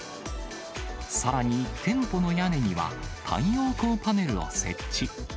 さらに店舗の屋根には、太陽光パネルを設置。